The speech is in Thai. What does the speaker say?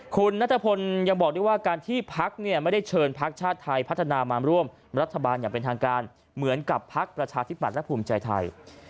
คุณนัทพลยังบอกด้วยว่าการที่พักเนี่ยไม่ได้เชิญพักชาติไทยพัฒนามาร่วมรัฐบาลอย่างเป็นทางการเหมือนกับพักประชาธิบัตย์และภูมิใจไทย